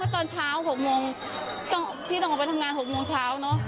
ตอนเช้า๖โมงพี่ต้องออกไปทำงาน๖โมงเช้าเนอะ